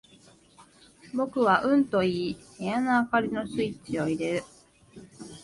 僕はうんと言い、部屋の灯りのスイッチを入れる。